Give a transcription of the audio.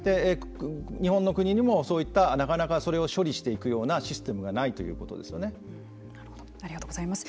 日本の国にもそういったなかなかそれを処理していくようなシステムがありがとうございます。